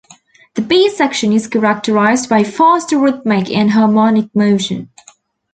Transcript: The B section is characterized by faster rhythmic and harmonic motion.